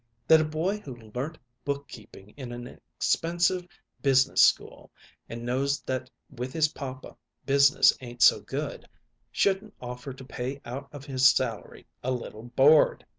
That a boy who learnt bookkeeping in an expensive business school, and knows that with his papa business ain't so good, shouldn't offer to pay out of his salary a little board!